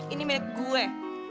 ini milik gue